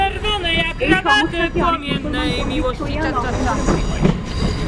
এই সমস্যাকে অনেক মুসলমান পণ্ডিত শরীয়াহ লঙ্ঘন বলে মনে করে।